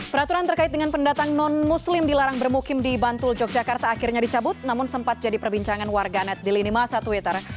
peraturan terkait dengan pendatang non muslim dilarang bermukim di bantul yogyakarta akhirnya dicabut namun sempat jadi perbincangan warganet di lini masa twitter